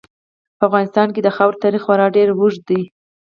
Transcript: په افغانستان کې د خاورې تاریخ خورا ډېر اوږد دی.